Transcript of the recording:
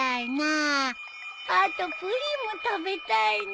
あとプリンも食べたいね。